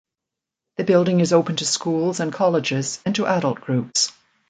The building is open to schools and colleges and to adult groups.